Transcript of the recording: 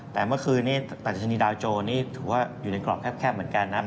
แต่เมื่อคืนนี้ดัชนีดาวโจนี่ถือว่าอยู่ในกรอบแคบเหมือนกันนะ